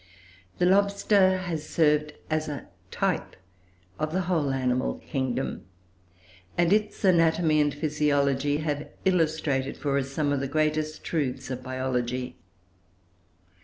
The lobster has served as a type of the whole animal kingdom, and its anatomy and physiology have illustrated for us some of the greatest truths of biology.